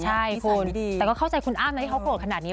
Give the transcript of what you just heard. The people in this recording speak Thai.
ใช่คุณแต่ก็เข้าใจคุณอ้ำนะที่เขาโกรธขนาดนี้